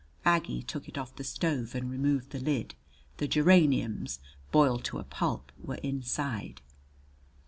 Aggie took it off the stove and removed the lid. The geraniums, boiled to a pulp, were inside.